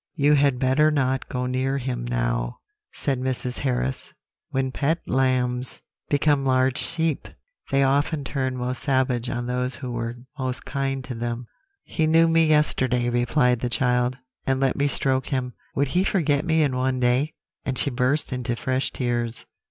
"'You had better not go near him now,' said Mrs. Harris; 'when pet lambs become large sheep they often turn most savage on those who were most kind to them.' "'He knew me yesterday,' replied the child, 'and let me stroke him. Would he forget me in one day?' and she burst into fresh tears."